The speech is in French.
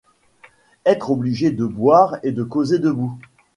être obligé de boire et de causer debout !